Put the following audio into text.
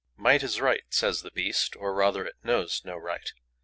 Might is right, says the beast; or, rather, it knows no right.